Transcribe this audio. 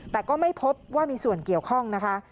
แต่ก็ไม่พบว่ามีส่วนเกี่ยวข้องนะคะ